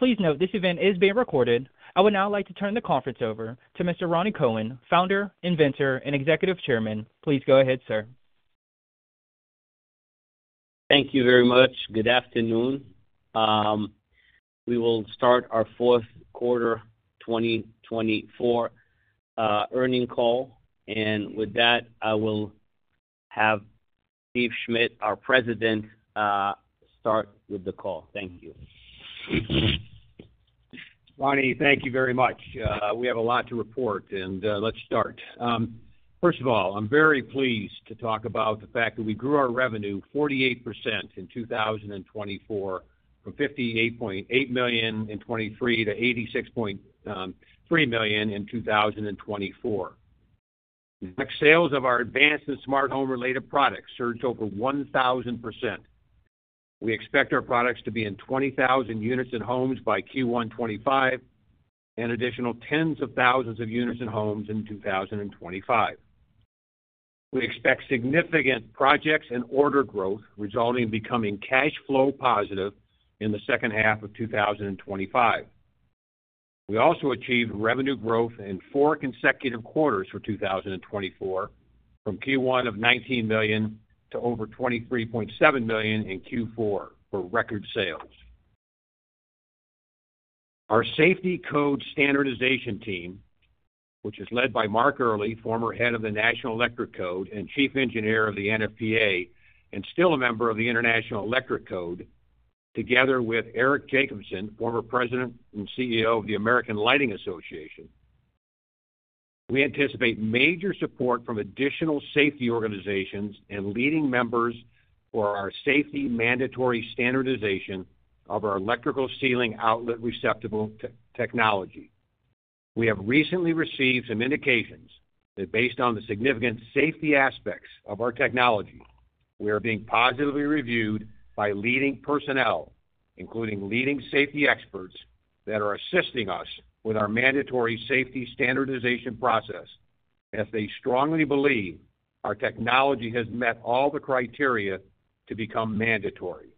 Please note this event is being recorded. I would now like to turn the conference over to Mr. Rani Kohen, Founder, Inventor, and Executive Chairman. Please go ahead, sir. Thank you very much. Good afternoon. We will start our fourth quarter 2024 earnings call. With that, I will have Steve Schmidt, our President, start with the call. Thank you. Rani, thank you very much. We have a lot to report, and, let's start. First of all, I'm very pleased to talk about the fact that we grew our revenue 48% in 2024, from $58.8 million in 2023 to $86.3 million in 2024. Next, sales of our advanced and smart home-related products surged over 1,000%. We expect our products to be in 20,000 units in homes by Q1 2025 and additional tens of thousands of units in homes in 2025. We expect significant projects and order growth, resulting in becoming cash flow positive in the second half of 2025. We also achieved revenue growth in four consecutive quarters for 2024, from Q1 of $19 million to over $23.7 million in Q4 for record sales. Our Safety Code Standardization Team, which is led by Mark Earley, former head of the National Electrical Code and chief engineer of the NFPA, and still a member of the International Electrical Code, together with Eric Jacobson, former President and CEO of the American Lighting Association, we anticipate major support from additional safety organizations and leading members for our safety mandatory standardization of our electrical ceiling outlet receptacle technology. We have recently received some indications that, based on the significant safety aspects of our technology, we are being positively reviewed by leading personnel, including leading safety experts that are assisting us with our mandatory safety standardization process, as they strongly believe our technology has met all the criteria to become mandatory.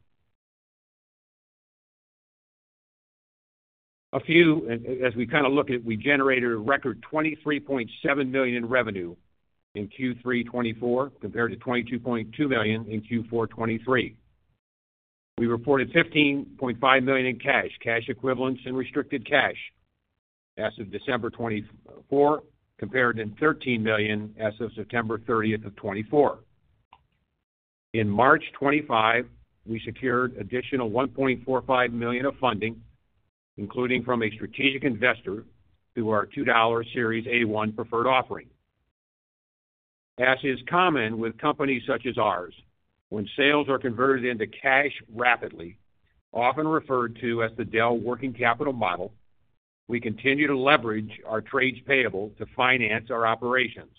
A few, and as we kind of look at it, we generated a record $23.7 million in revenue in Q3 2024 compared to $22.2 million in Q4 2023. We reported $15.5 million in cash, cash equivalents, and restricted cash as of December 2024, compared to $13 million as of September 30, 2024. In March 2025, we secured additional $1.45 million of funding, including from a strategic investor through our $2 million Series A1 preferred offering. As is common with companies such as ours, when sales are converted into cash rapidly, often referred to as the Dell Working Capital Model, we continue to leverage our trades payable to finance our operations,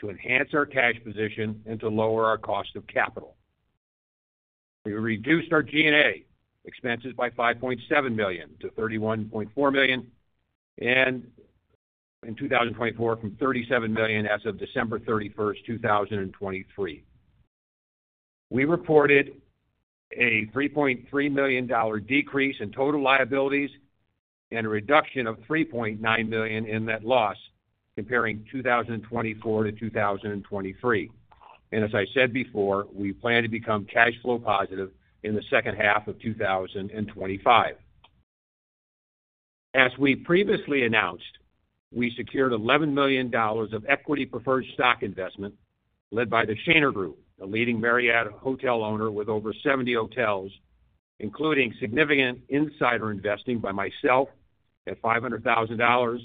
to enhance our cash position, and to lower our cost of capital. We reduced our G&A expenses by $5.7 million to $31.4 million in 2024, from $37 million as of December 31, 2023. We reported a $3.3 million decrease in total liabilities and a reduction of $3.9 million in net loss, comparing 2024 to 2023. As I said before, we plan to become cash flow positive in the second half of 2025. As we previously announced, we secured $11 million of equity preferred stock investment led by the Shaner Group, a leading Marriott hotel owner with over 70 hotels, including significant insider investing by myself at $500,000,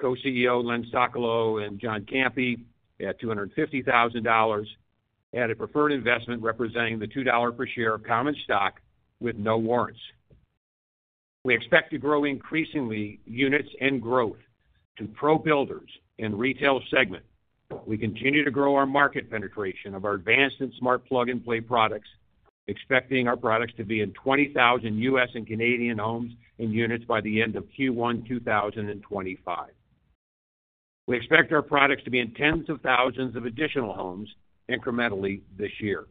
co-CEO Leon Sokolow and John Campi at $250,000, and a preferred investment representing the $2 per share of common stock with no warrants. We expect to grow increasingly units and growth to pro builders and retail segment. We continue to grow our market penetration of our advanced and Smart Plug & Play products, expecting our products to be in 20,000 U.S. and Canadian homes and units by the end of Q1 2025. We expect our products to be in tens of thousands of additional homes incrementally this year.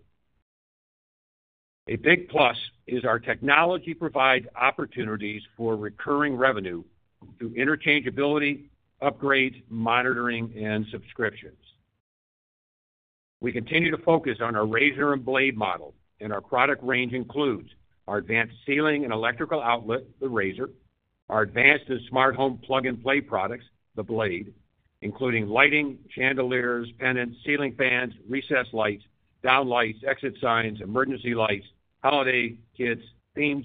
A big plus is our technology provides opportunities for recurring revenue through interchangeability, upgrades, monitoring, and subscriptions. We continue to focus on our Razor and Blade model, and our product range includes our advanced ceiling and electrical outlet, the Razor, our advanced and smart home plug-and-play products, the Blade, including lighting, chandeliers, pendants, ceiling fans, recessed lights, downlights, exit signs, emergency lights, holiday kits, themed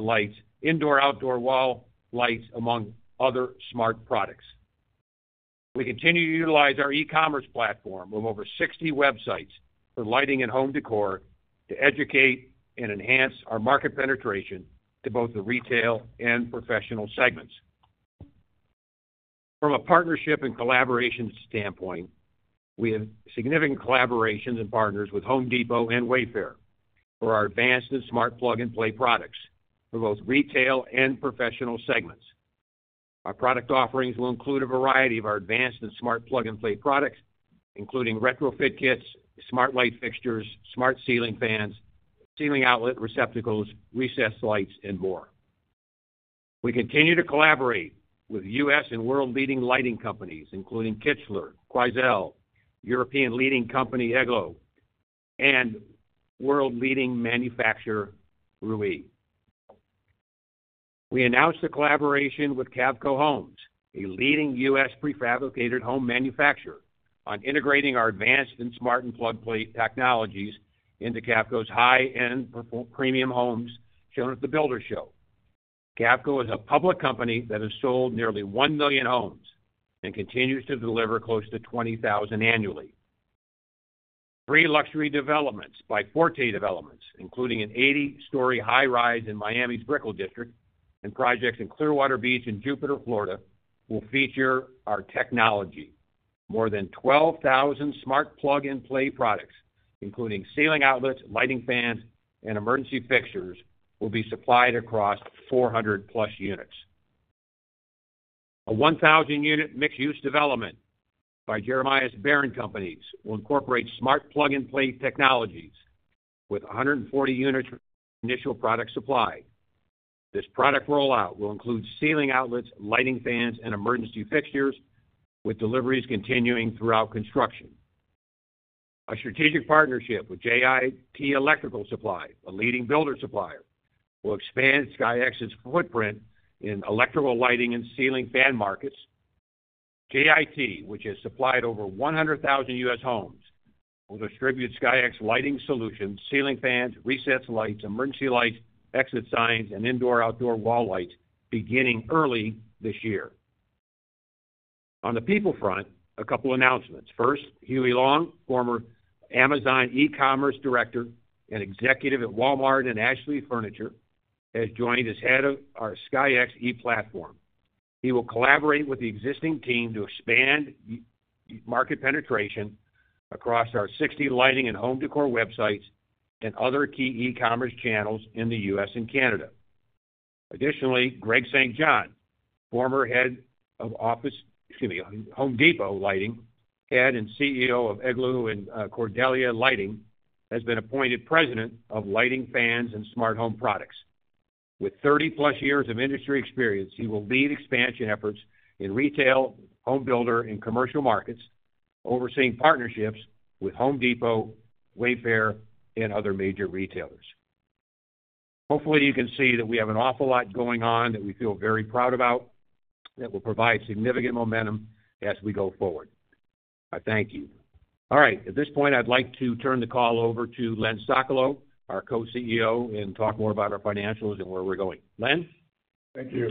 lights, indoor-outdoor wall lights, among other smart products. We continue to utilize our e-commerce platform of over 60 websites for lighting and home decor to educate and enhance our market penetration to both the retail and professional segments. From a partnership and collaboration standpoint, we have significant collaborations and partners with Home Depot and Wayfair for our advanced and Smart Plug & Play products for both retail and professional segments. Our product offerings will include a variety of our advanced and Smart Plug & Play products, including retrofit kits, smart light fixtures, smart ceiling fans, ceiling outlet receptacles, recessed lights, and more. We continue to collaborate with U.S. and world-leading lighting companies, including Kichler, Quoizel, European leading company EGLO, and world-leading manufacturer Ruee. We announced a collaboration with Cavco Homes, a leading U.S. prefabricated home manufacturer, on integrating our advanced and smart and plug-and-play technologies into Cavco's high-end premium homes shown at the Builders Show. Cavco is a public company that has sold nearly 1 million homes and continues to deliver close to 20,000 annually. Three luxury developments by Forte Developments, including an 80-story high rise in Miami's Brickell District and projects in Clearwater Beach and Jupiter, Florida, will feature our technology. More than 12,000 Smart Plug & Play products, including ceiling outlets, lighting fans, and emergency fixtures, will be supplied across 400+ units. A 1,000-unit mixed-use development by Jeremiah Baron Companies will incorporate Smart Plug & Play technologies with 140 units initial product supply. This product rollout will include ceiling outlets, lighting fans, and emergency fixtures, with deliveries continuing throughout construction. A strategic partnership with JIT Electrical Supply, a leading builder supplier, will expand SKYX's footprint in electrical lighting and ceiling fan markets. JIT, which has supplied over 100,000 U.S. homes, will distribute SKYX lighting solutions, ceiling fans, recessed lights, emergency lights, exit signs, and indoor-outdoor wall lights beginning early this year. On the people front, a couple of announcements. First, Huey Long, former Amazon e-commerce Director and Executive at Walmart and Ashley Furniture, has joined as head of our SKYX e-platform. He will collaborate with the existing team to expand market penetration across our 60 lighting and home decor websites and other key e-commerce channels in the U.S. and Canada. Additionally, Greg St. John, former head of office—excuse me, Home Depot Lighting, head and CEO of Eglo and Cordelia Lighting, has been appointed president of lighting fans and smart home products. With 30+ years of industry experience, he will lead expansion efforts in retail, home builder, and commercial markets, overseeing partnerships with Home Depot, Wayfair, and other major retailers. Hopefully, you can see that we have an awful lot going on that we feel very proud about that will provide significant momentum as we go forward. I thank you. All right. At this point, I'd like to turn the call over to Leon Sokolow, our co-CEO, and talk more about our financials and where we're going. Leon? Thank you.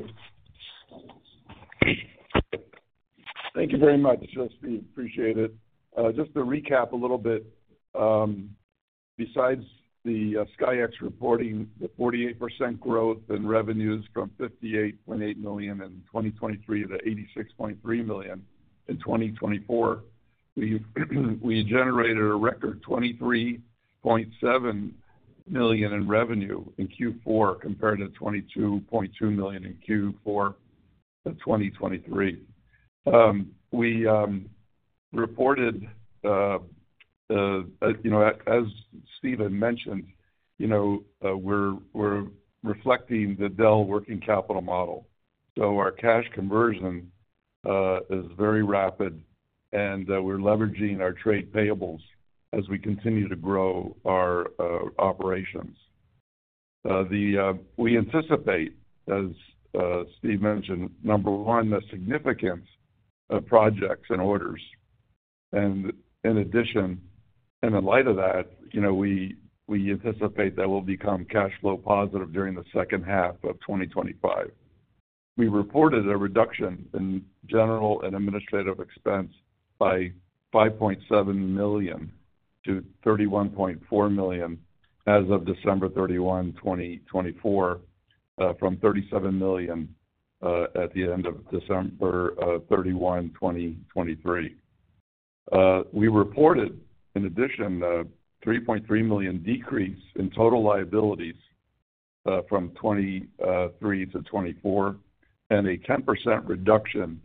Thank you very much, Steve. Appreciate it. Just to recap a little bit, besides the SKYX reporting the 48% growth in revenues from $58.8 million in 2023 to $86.3 million in 2024, we generated a record $23.7 million in revenue in Q4 compared to $22.2 million in Q4 of 2023. We reported, you know, as Steven mentioned, you know, we're reflecting the Dell Working Capital Model. So our cash conversion is very rapid, and we're leveraging our trade payables as we continue to grow our operations. We anticipate, as Steve mentioned, number one, the significance of projects and orders. In addition, and in light of that, you know, we anticipate that we'll become cash flow positive during the second half of 2025. We reported a reduction in general and administrative expense by $5.7 million to $31.4 million as of December 31, 2024, from $37 million at the end of December 31, 2023. We reported, in addition, a $3.3 million decrease in total liabilities, from 2023 to 2024, and a 10% reduction,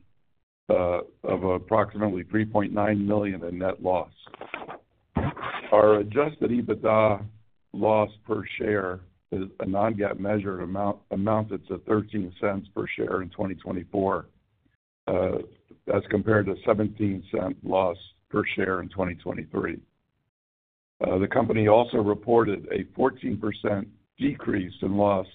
of approximately $3.9 million in net loss. Our adjusted EBITDA loss per share is a non-GAAP measured amount, amounted to $0.13 per share in 2024. That is compared to $0.17 loss per share in 2023. The company also reported a 14% decrease in loss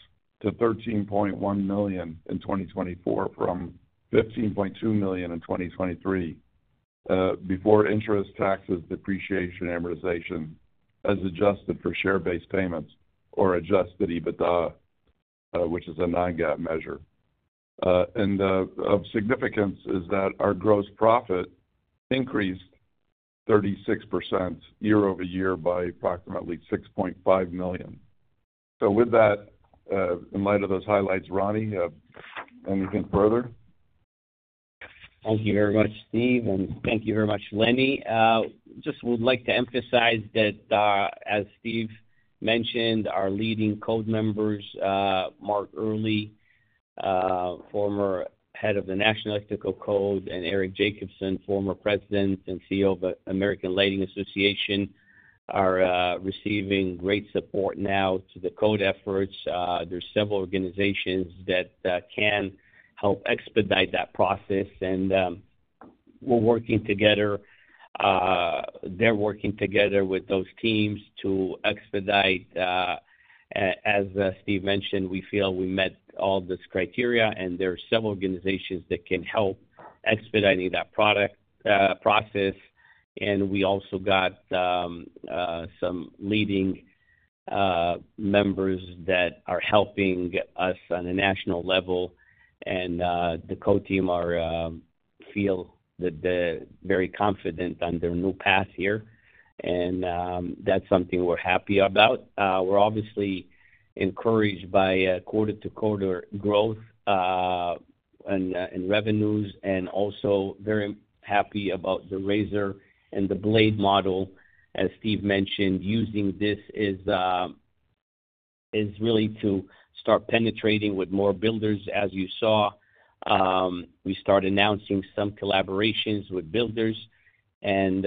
to $13.1 million in 2024 from $15.2 million in 2023, before interest, taxes, depreciation, amortization as adjusted for share-based payments or adjusted EBITDA, which is a non-GAAP measure. Of significance is that our gross profit increased 36% year-over-year by approximately $6.5 million. In light of those highlights, Rani, anything further? Thank you very much, Steve, and thank you very much, Lenny. I just would like to emphasize that, as Steve mentioned, our leading code members, Mark Earley, former head of the National Electrical Code, and Eric Jacobson, former President and CEO of the American Lighting Association, are receiving great support now to the code efforts. There are several organizations that can help expedite that process, and we're working together, they're working together with those teams to expedite, as Steve mentioned, we feel we met all this criteria, and there are several organizations that can help expediting that product, process. We also got some leading members that are helping us on a national level, and the code team are, feel that they're very confident on their new path here, and that's something we're happy about. We're obviously encouraged by quarter-to-quarter growth in revenues, and also very happy about the Razor and the Blade model, as Steve mentioned. Using this is really to start penetrating with more builders, as you saw. We start announcing some collaborations with builders, and,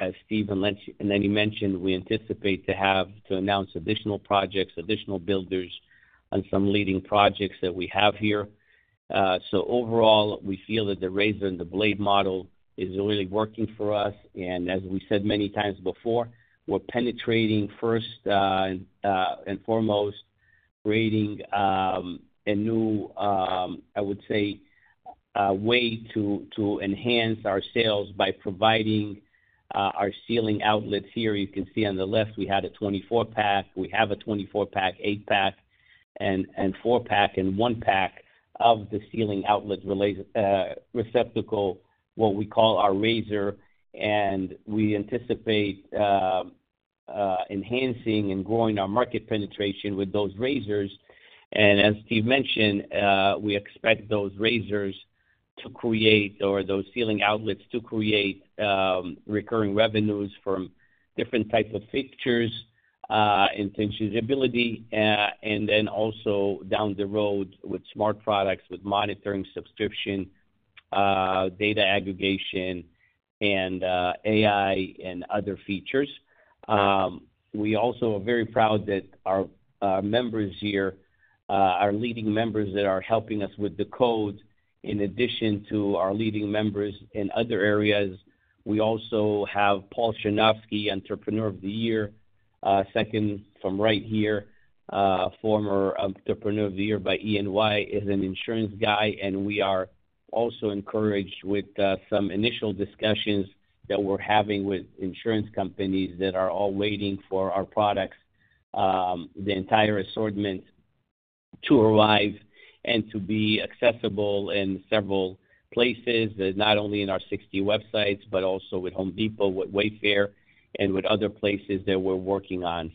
as Steven and Lenny mentioned, we anticipate to have to announce additional projects, additional builders on some leading projects that we have here. Overall, we feel that the Razor and the Blade model is really working for us, and as we said many times before, we're penetrating first and foremost, creating a new, I would say, way to enhance our sales by providing our ceiling outlets here. You can see on the left, we had a 24-pack, we have a 24-pack, 8-pack, 4-pack, and 1-pack of the ceiling outlet related receptacle, what we call our Razor, and we anticipate enhancing and growing our market penetration with those Razors. As Steve mentioned, we expect those Razors to create, or those ceiling outlets to create, recurring revenues from different types of fixtures, intangibility, and then also down the road with smart products, with monitoring subscription, data aggregation, and AI and other features. We also are very proud that our members here, our leading members that are helping us with the code, in addition to our leading members in other areas. We also have Paul Chernawsky, Entrepreneur of the Year, second from right here, former Entrepreneur of the Year by E&Y, is an insurance guy, and we are also encouraged with some initial discussions that we're having with insurance companies that are all waiting for our products, the entire assortment to arrive and to be accessible in several places, not only in our 60 websites, but also with Home Depot, with Wayfair, and with other places that we're working on.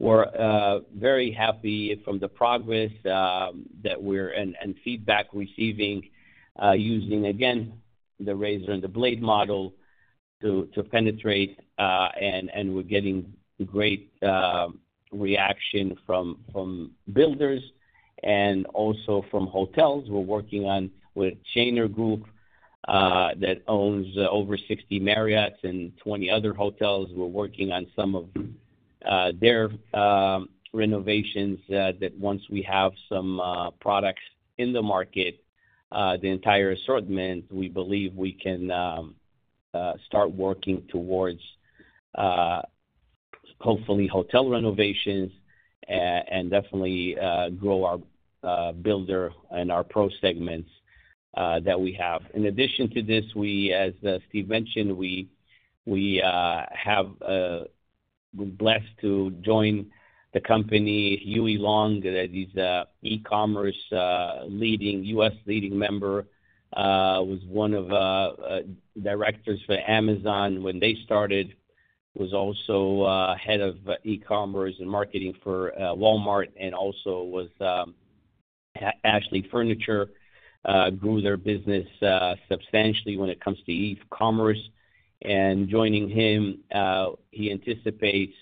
We are very happy from the progress that we're and feedback receiving, using, again, the Razor and the Blade model to penetrate, and we're getting great reaction from builders and also from hotels. We're working on with Shaner Group, that owns over 60 Marriott's and 20 other hotels. We're working on some of their renovations, that once we have some products in the market, the entire assortment, we believe we can start working towards, hopefully, hotel renovations, and definitely grow our builder and our pro segments that we have. In addition to this, as Steve mentioned, we have been blessed to join the company, Huey Long, that is e-commerce, leading U.S. leading member, was one of directors for Amazon when they started, was also head of e-commerce and marketing for Walmart, and also was Ashley Furniture, grew their business substantially when it comes to e-commerce. Joining him, he anticipates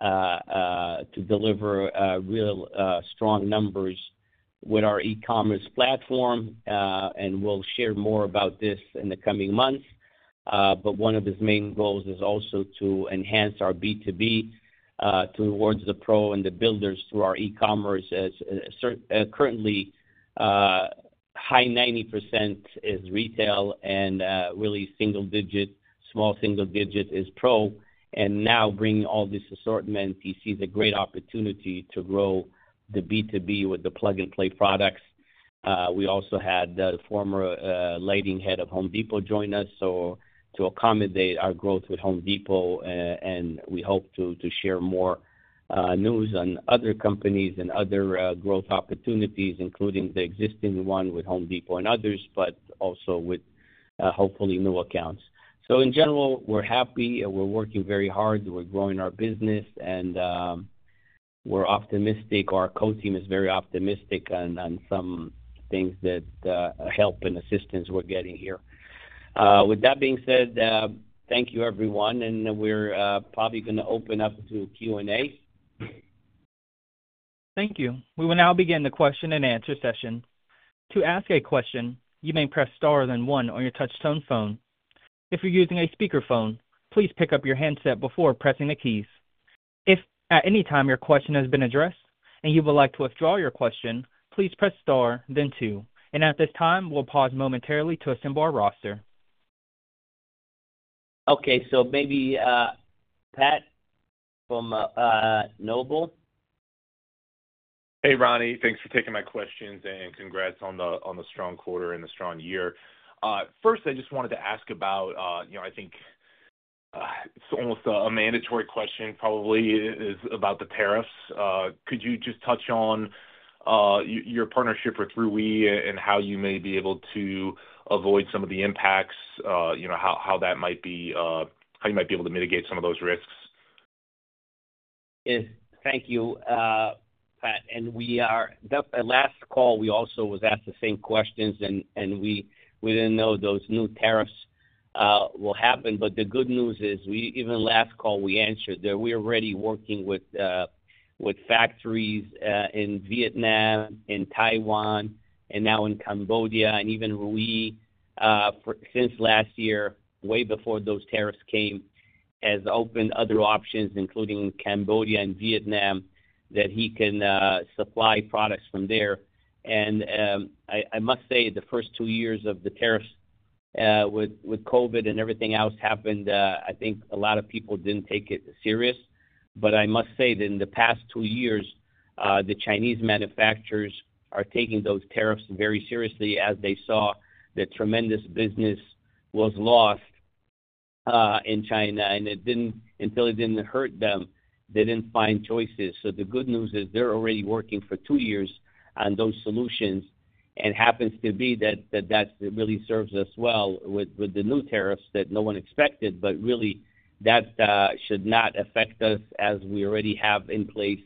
to deliver real strong numbers with our e-commerce platform, and we'll share more about this in the coming months. But one of his main goals is also to enhance our B2B, towards the pro and the builders through our e-commerce, as currently, high 90% is retail and really single digit, small single digit is pro. Now bringing all this assortment, he sees a great opportunity to grow the B2B with the plug-and-play products. We also had the former lighting head of Home Depot join us to accommodate our growth with Home Depot, and we hope to share more news on other companies and other growth opportunities, including the existing one with Home Depot and others, but also with hopefully new accounts. In general, we're happy and we're working very hard. We're growing our business and we're optimistic. Our code team is very optimistic on some things that help and assistance we're getting here. With that being said, thank you everyone, and we're probably going to open up to Q&A. Thank you. We will now begin the question and answer session. To ask a question, you may press star then one on your touch-tone phone. If you're using a speakerphone, please pick up your handset before pressing the keys. If at any time your question has been addressed and you would like to withdraw your question, please press star then two. At this time, we'll pause momentarily to assemble our roster. Okay, so maybe, Pat from Noble. Hey, Rani, thanks for taking my questions and congrats on the, on the strong quarter and the strong year. First, I just wanted to ask about, you know, I think, it's almost a mandatory question probably is about the tariffs. Could you just touch on your partnership with Ruee and how you may be able to avoid some of the impacts, you know, how, how that might be, how you might be able to mitigate some of those risks? Yes, thank you. Pat, in the last call, we also were asked the same questions and we didn't know those new tariffs would happen, but the good news is even last call we answered that we're already working with factories in Vietnam, in Taiwan, and now in Cambodia, and even Ruee since last year, way before those tariffs came, has opened other options, including Cambodia and Vietnam, that he can supply products from there. I must say the first two years of the tariffs, with COVID and everything else that happened, I think a lot of people didn't take it seriously, but I must say that in the past two years, the Chinese manufacturers are taking those tariffs very seriously as they saw the tremendous business that was lost in China and until it didn't hurt them, they didn't find choices. The good news is they're already working for two years on those solutions and happens to be that, that really serves us well with the new tariffs that no one expected, but really that should not affect us as we already have in place.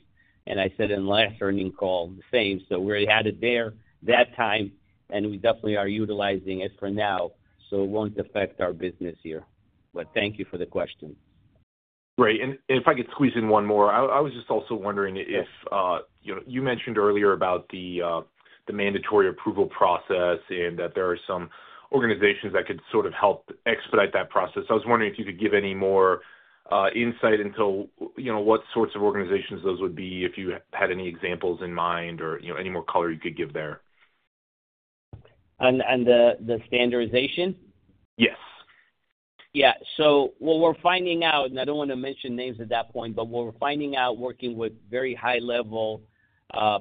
I said in the last earning call the same, so we already had it there that time and we definitely are utilizing it for now, so it won't affect our business here. Thank you for the question. Great. If I could squeeze in one more, I was just also wondering if, you know, you mentioned earlier about the mandatory approval process and that there are some organizations that could sort of help expedite that process. I was wondering if you could give any more insight into, you know, what sorts of organizations those would be, if you had any examples in mind or, you know, any more color you could give there. On the standardization? Yes. Yeah. What we're finding out, and I don't want to mention names at that point, but what we're finding out working with very high level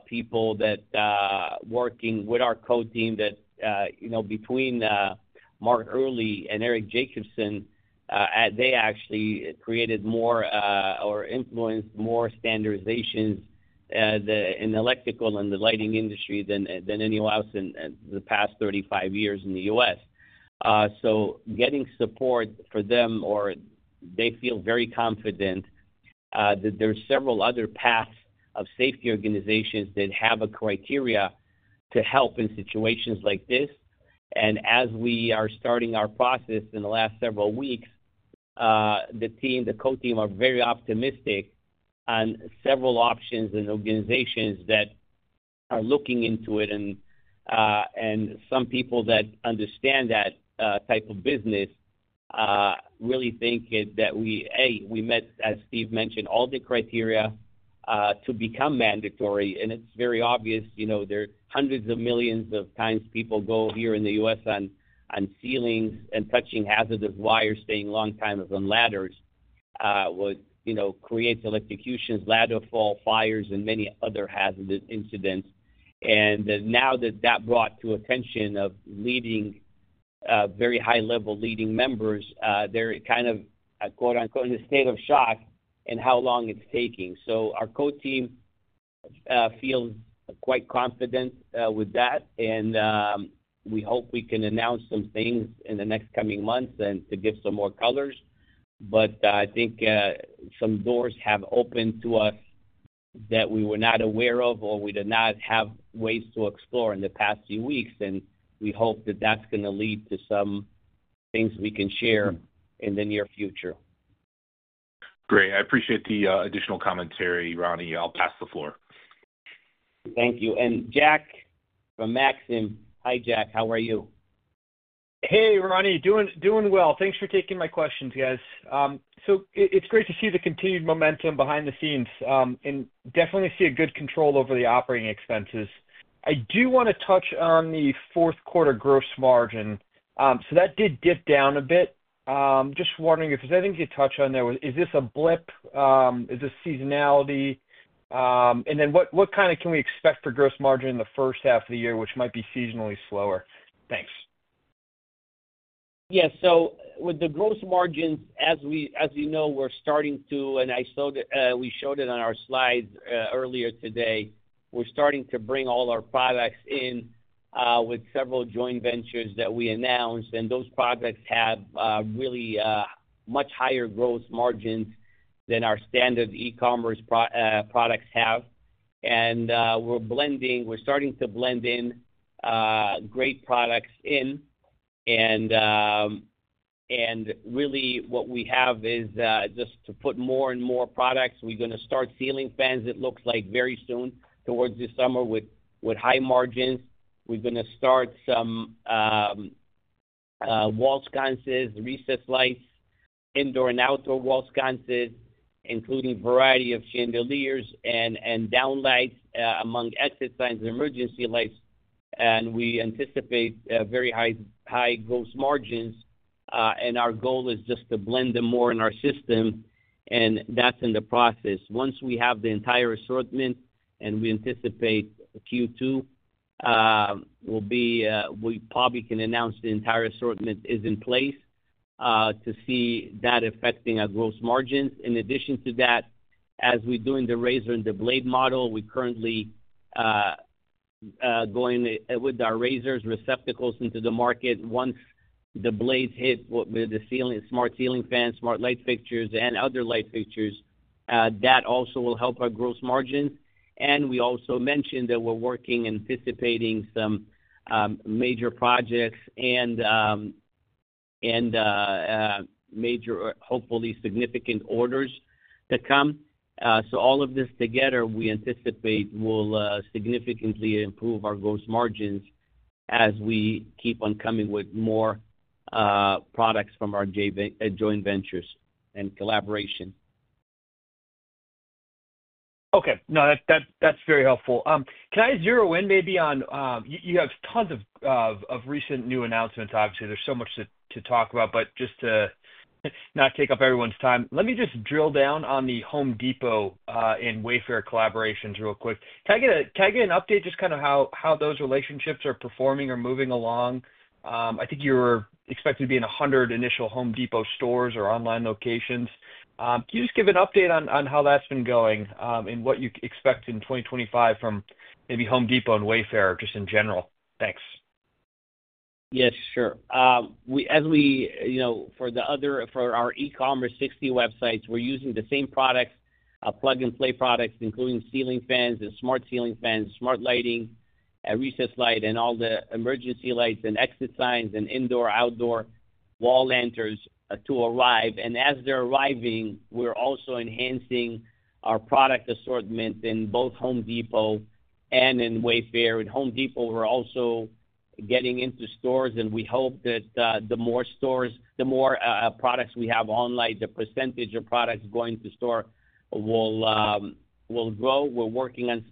people that, working with our code team that, you know, between Mark Earley and Eric Jacobson, they actually created more, or influenced more standardizations in the electrical and the lighting industry than anyone else in the past 35 years in the U.S. Getting support from them or they feel very confident that there's several other paths of safety organizations that have a criteria to help in situations like this. As we are starting our process in the last several weeks, the team, the code team are very optimistic on several options and organizations that are looking into it, and some people that understand that type of business really think that we, A, we met, as Steve mentioned, all the criteria to become mandatory. It's very obvious, you know, there's hundreds of millions of times people go here in the U.S. on ceilings and touching hazardous wires, staying a long time on ladders, which, you know, creates electrocutions, ladder fall, fires, and many other hazardous incidents. Now that that brought to attention of leading, very high level leading members, they're kind of, quote unquote, in a state of shock and how long it's taking. Our code team feels quite confident with that, and we hope we can announce some things in the next coming months to give some more colors. I think some doors have opened to us that we were not aware of or we did not have ways to explore in the past few weeks, and we hope that that's going to lead to some things we can share in the near future. Great. I appreciate the additional commentary, Rani. I'll pass the floor. Thank you. Jack from Maxim. Hi, Jack. How are you? Hey, Ronnie. Doing well. Thanks for taking my questions, guys. It's great to see the continued momentum behind the scenes, and definitely see a good control over the operating expenses. I do want to touch on the fourth quarter gross margin. That did dip down a bit. Just wondering if there's anything you could touch on there. Is this a blip? Is this seasonality? What can we expect for gross margin in the first half of the year, which might be seasonally slower? Thanks. Yeah. With the gross margins, as you know, we're starting to, and I showed it, we showed it on our slides earlier today. We're starting to bring all our products in with several joint ventures that we announced, and those products have really much higher gross margins than our standard e-commerce products have. We're blending, we're starting to blend in great products in. What we have is just to put more and more products. We're going to start ceiling fans, it looks like very soon towards this summer with high margins. We're going to start some wall sconces, recessed lights, indoor and outdoor wall sconces, including a variety of chandeliers and downlights, among exit signs, emergency lights. We anticipate very high, high gross margins. Our goal is just to blend them more in our system, and that's in the process. Once we have the entire assortment, and we anticipate Q2 will be, we probably can announce the entire assortment is in place, to see that affecting our gross margins. In addition to that, as we're doing the Razor and the Blade model, we currently, going with our razors, receptacles into the market. Once the blades hit with the ceiling, smart ceiling fans, smart light fixtures, and other light fixtures, that also will help our gross margins. We also mentioned that we're working and anticipating some major projects and major, hopefully significant orders to come. All of this together, we anticipate will significantly improve our gross margins as we keep on coming with more products from our joint ventures and collaboration. Okay. No, that's very helpful. Can I zero in maybe on, you have tons of recent new announcements, obviously. There's so much to talk about, but just to not take up everyone's time, let me just drill down on the Home Depot and Wayfair collaborations real quick. Can I get an update just kind of how those relationships are performing or moving along? I think you were expected to be in 100 initial Home Depot stores or online locations. Can you just give an update on how that's been going, and what you expect in 2025 from maybe Home Depot and Wayfair just in general? Thanks. Yes, sure. As we, you know, for our e-commerce 60 websites, we're using the same products, plug-and-play products, including ceiling fans and smart ceiling fans, smart lighting, a recessed light, and all the emergency lights and exit signs and indoor, outdoor wall lanterns to arrive. As they're arriving, we're also enhancing our product assortment in both Home Depot and in Wayfair. In Home Depot, we're also getting into stores, and we hope that the more stores, the more products we have online, the percentage of products going to store will grow. We're working on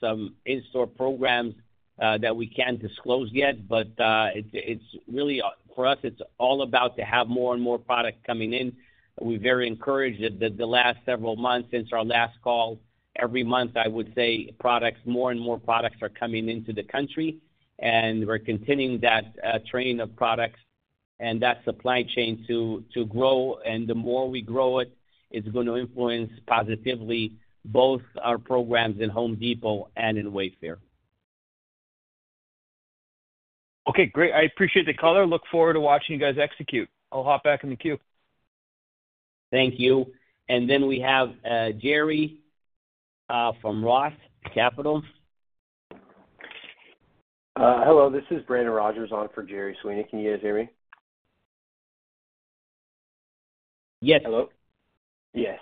some in-store programs that we can't disclose yet, but it's really for us, it's all about to have more and more products coming in. We very encourage that the last several months since our last call, every month, I would say products, more and more products are coming into the country, and we're continuing that train of products and that supply chain to grow. The more we grow it, it's going to influence positively both our programs in Home Depot and in Wayfair. Okay, great. I appreciate the color. Look forward to watching you guys execute. I'll hop back in the queue. Thank you. And then we have Gerry from Roth Capital. Hello, this is Brandon Rogers on for Gerry Sweeney. Can you guys hear me? Yes. Hello? Yes.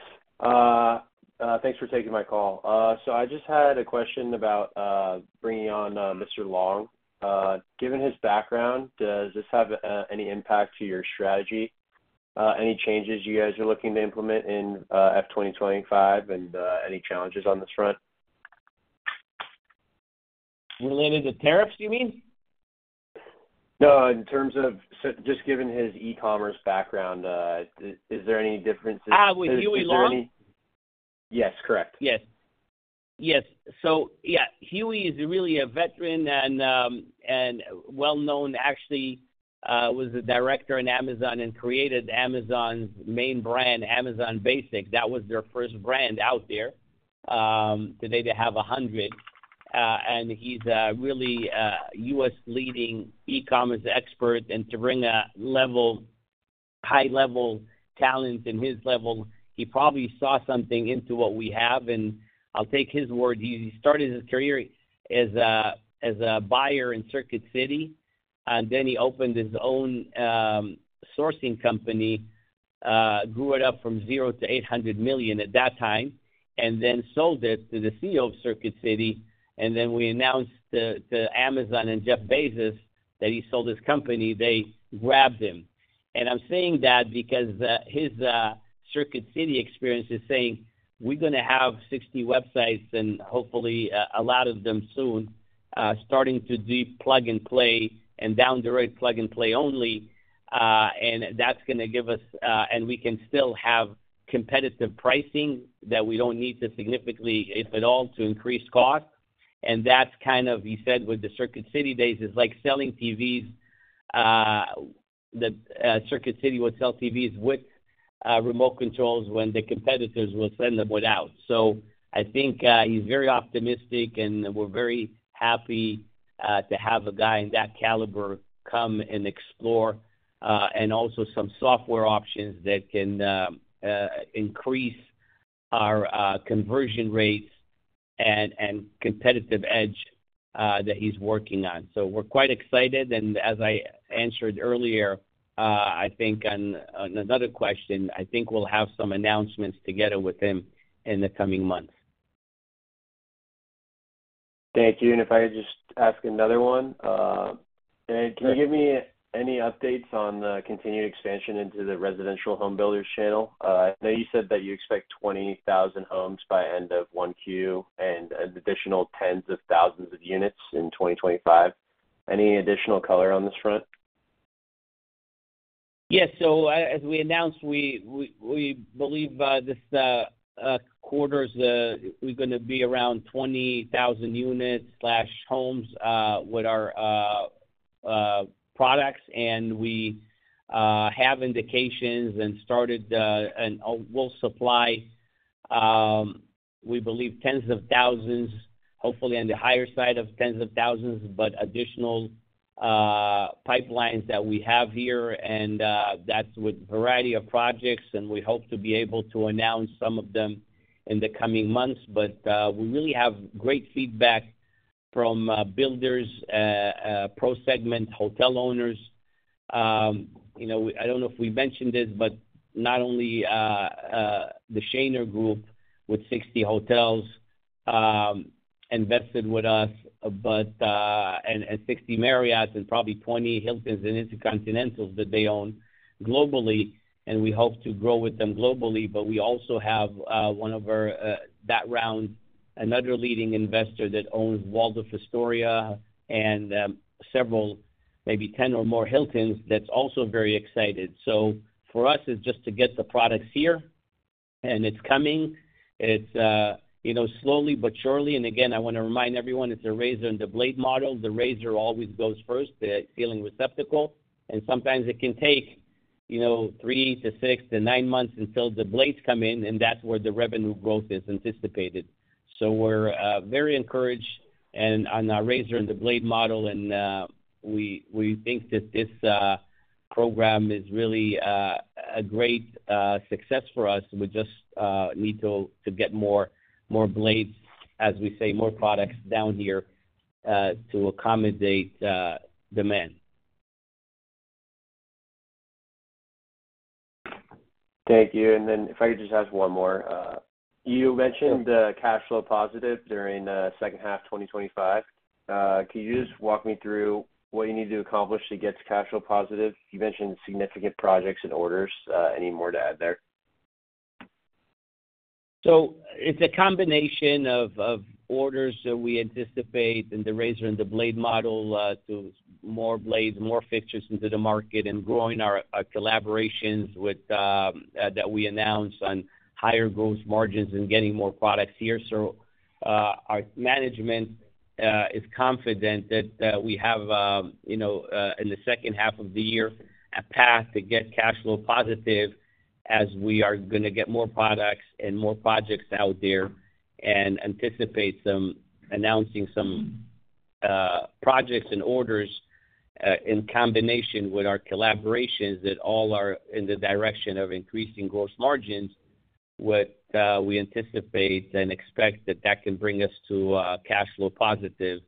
Thanks for taking my call. I just had a question about bringing on Mr. Long. Given his background, does this have any impact to your strategy? Any changes you guys are looking to implement in FY2025 and any challenges on this front? Related to tariffs, you mean? No, in terms of just given his e-commerce background, is there any differences? with Huey Long? Yes, correct. Yes. Yes. Yeah, Huey is really a veteran and, and well known, actually, was a director in Amazon and created Amazon's main brand, Amazon Basics. That was their first brand out there. Today they have a hundred, and he's, really, U.S. leading e-commerce expert. To bring a level, high level talent in his level, he probably saw something into what we have. I'll take his word. He started his career as a, as a buyer in Circuit City, and then he opened his own sourcing company, grew it up from zero to $800 million at that time, and then sold it to the CEO of Circuit City. We announced to Amazon and Jeff Bezos that he sold his company. They grabbed him. I'm saying that because his Circuit City experience is saying we're going to have 60 websites and hopefully, a lot of them soon, starting to do plug and play and down the road, plug and play only. That's going to give us, and we can still have competitive pricing that we don't need to significantly, if at all, to increase costs. That's kind of, he said with the Circuit City days, it's like selling TVs, that Circuit City would sell TVs with remote controls when the competitors would send them without. I think he's very optimistic and we're very happy to have a guy in that caliber come and explore, and also some software options that can increase our conversion rates and competitive edge that he's working on. We're quite excited. As I answered earlier, I think on another question, I think we'll have some announcements together with him in the coming months. Thank you. If I could just ask another one, can you give me any updates on the continued expansion into the residential home builders channel? I know you said that you expect 20,000 homes by end of 1Q and additional tens of thousands of units in 2025. Any additional color on this front? Yeah. As we announced, we believe this quarter is, we're going to be around 20,000 units slash homes, with our products. We have indications and started, and we'll supply, we believe tens of thousands, hopefully on the higher side of tens of thousands, but additional pipelines that we have here. That's with a variety of projects. We hope to be able to announce some of them in the coming months. We really have great feedback from builders, pro segment hotel owners. You know, I don't know if we mentioned this, but not only the Shaner Group with 60 hotels invested with us, and 60 Marriott and probably 20 Hiltons and Intercontinentals that they own globally. We hope to grow with them globally. We also have, one of our, that round, another leading investor that owns Waldorf Astoria and, several maybe 10 or more Hiltons that's also very excited. For us, it's just to get the products here, and it's coming. It's, you know, slowly but surely. Again, I want to remind everyone it's a Razor and the Blade model. The Razor always goes first, the ceiling receptacle. Sometimes it can take, you know, three to six to nine months until the blades come in, and that's where the revenue growth is anticipated. We're very encouraged and on our Razor and the Blade model. We think that this program is really a great success for us. We just need to get more, more blades, as we say, more products down here, to accommodate demand. Thank you. If I could just ask one more, you mentioned the cash flow positive during the second half of 2025. Can you just walk me through what you need to accomplish to get cash flow positive? You mentioned significant projects and orders. Any more to add there? It is a combination of orders that we anticipate and the Razor and Blade model, to more blades, more fixtures into the market and growing our collaborations with, that we announced on higher gross margins and getting more products here. Our management is confident that we have, you know, in the second half of the year, a path to get cash flow positive as we are going to get more products and more projects out there and anticipate announcing some projects and orders, in combination with our collaborations that all are in the direction of increasing gross margins with, we anticipate and expect that that can bring us to cash flow positive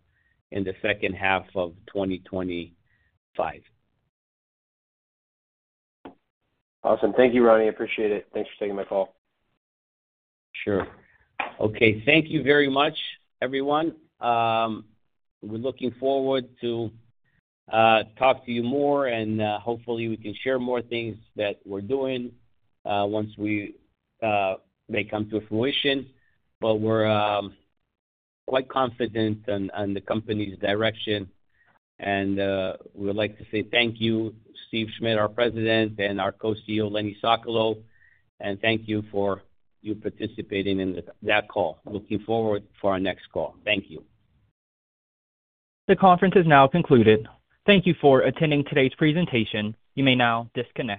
in the second half of 2025. Awesome. Thank you, Rani. Appreciate it. Thanks for taking my call. Sure. Okay. Thank you very much, everyone. We're looking forward to talk to you more and, hopefully we can share more things that we're doing, once they come to fruition. We're quite confident on the company's direction. We'd like to say thank you, Steve Schmidt, our President, and our Co-CEO, Leon Sokolow. Thank you for participating in that call. Looking forward for our next call. Thank you. The conference is now concluded. Thank you for attending today's presentation. You may now disconnect.